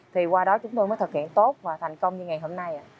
thì qua đó chúng tôi mới thực hiện tốt và thành công như ngày hôm nay